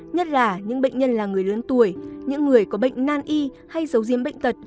nhất là những bệnh nhân là người lớn tuổi những người có bệnh nan y hay dấu diếm bệnh tật